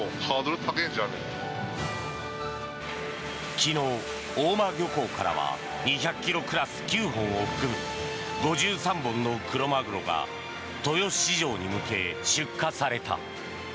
昨日、大間漁港からは２００ｋｇクラス９本を含む５３本のクロマグロが豊洲市場に向け、出荷された。